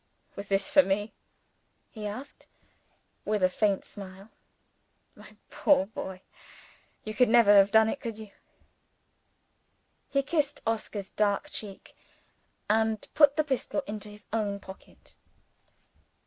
"Was this for me?" he asked, with a faint smile. "My poor boy! you could never have done it, could you?" He kissed Oscar's dark cheek, and put the pistol into his own pocket.